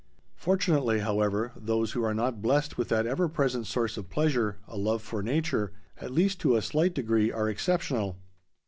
Fortunately, however, those who are not blessed with that ever present source of pleasure, a love for nature, at least to a slight degree, are exceptional.